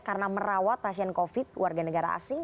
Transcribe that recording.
karena merawat pasien covid warga negara asing